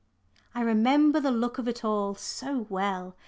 I remember the look of it all so well.